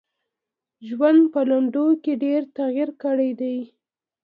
ژوند په لنډو کي ډېر تغیر کړی دی .